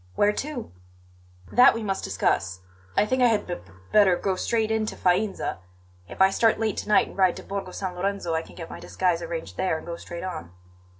"Where to?" "That we must discuss. I think I had b b better go straight in to Faenza. If I start late to night and ride to Borgo San Lorenzo I can get my disguise arranged there and go straight on."